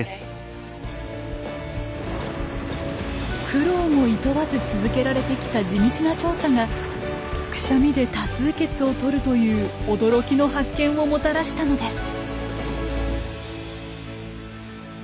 苦労もいとわず続けられてきた地道な調査がクシャミで多数決をとるという驚きの発見をもたらしたのです。